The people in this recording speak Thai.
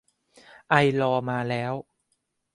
ไอลอว์ มาแล้ว